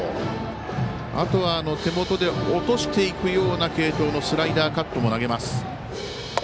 手元で落としていくような系統のスライダー、カットも投げます。